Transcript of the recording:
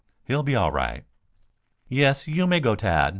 "He'll be all right." "Yes, you may go, Tad.